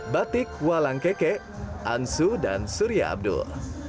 batik walang keke ansu dan surya abdul